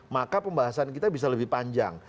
maka pembahasan kita bisa lebih panjang